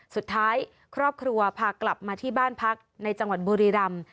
สุดท้ายครอบครัวพากลับมาที่บ้านพักในจังหวัดบุรีรำ